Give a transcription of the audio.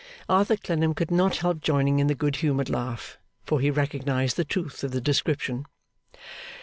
Arthur Clennam could not help joining in the good humoured laugh, for he recognised the truth of the description.